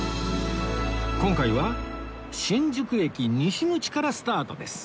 今回は新宿駅西口からスタートです